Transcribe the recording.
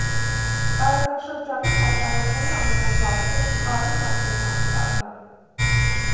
Տարածաշրջանում հայտարարվել է ամենաբարձր «կարմիր» աստիճանի տագնապ։